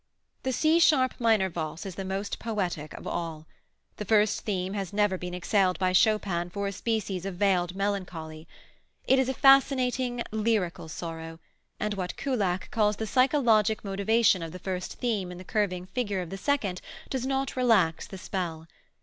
The C sharp minor Valse is the most poetic of all. The first theme has never been excelled by Chopin for a species of veiled melancholy. It is a fascinating, lyrical sorrow, and what Kullak calls the psychologic motivation of the first theme in the curving figure of the second does not relax the spell.